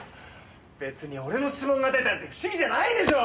別に俺の指紋が出たって不思議じゃないでしょう！